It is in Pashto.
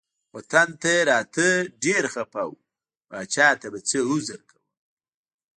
وطن ته راته ډیر خپه و پاچا ته به څه عذر کوم.